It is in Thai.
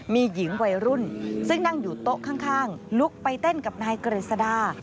มีหญิงวัยรุ่นซึ่งนั่งอยู่โต๊ะข้างลุกไปเต้นกับนายกฤษดา